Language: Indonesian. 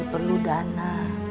doni perlu dana